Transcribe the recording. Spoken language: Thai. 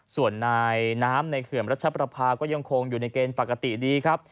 ส่วนนายน้ำในเขื่อนรัชประพาก็ยังคงอยู่ในเกณฑ์ปกติดีครับ